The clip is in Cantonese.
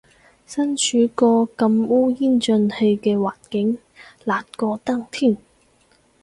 身處個咁烏煙瘴氣嘅環境，難過登天